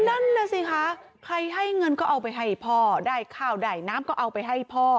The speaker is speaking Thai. นั่นน่ะสิคะใครให้เงินก็เอาไปให้พ่อได้ข้าวได้น้ำก็เอาไปให้พ่อ